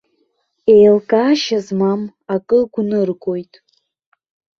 Еилкаашьа змам акы гәныргоит.